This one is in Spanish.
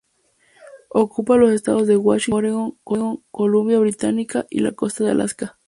Ocupa los estados de Washington, Oregón, Columbia Británica y la costa de Alaska.